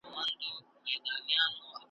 په اړه د شک، دبد، د ناسم